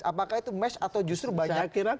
apakah itu match atau justru banyak salah jalan